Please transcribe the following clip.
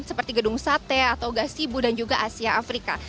seperti gedung sate atau gasibu dan juga asia afrika